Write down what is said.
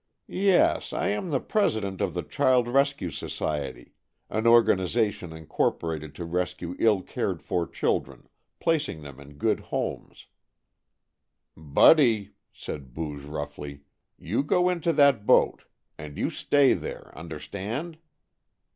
"Yes! I am the President of the Child Rescue Society, an organization incorporated to rescue ill cared for children, placing them in good homes " "Buddy," said Booge roughly, "you go into that boat And you stay there. Understand?"